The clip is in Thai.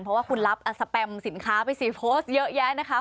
เพราะว่าคุณรับสแปมสินค้าไป๔โพสต์เยอะแยะนะคะ